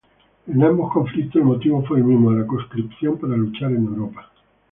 En ambos conflictos el motivo fue el mismo: la conscripción para luchar en Europa.